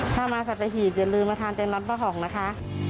ถ้ามาสัตหีบอย่าลืมมาทานเต็มร้อนป้าของนะคะ